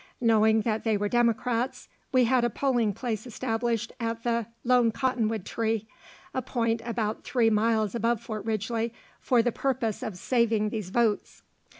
Knowing that they were Democrats, we had a polling place established at the "Lone Cottonwood Tree," a point about three miles above Fort Ridgely, for the purpose of saving these votes.